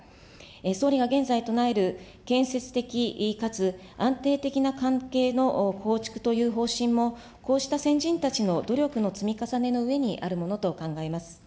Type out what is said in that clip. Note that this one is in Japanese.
総理が現在唱える、建設的かつ安定的な関係の構築という方針も、こうした先人たちの努力の積み重ねの上にあるものと考えます。